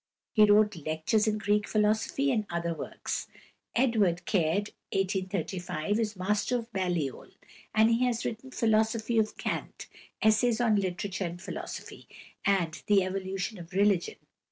He wrote "Lectures in Greek Philosophy" and other works. =Edward Caird (1835 )= is master of Balliol and he has written "Philosophy of Kant," "Essays on Literature and Philosophy," and "The Evolution of Religion."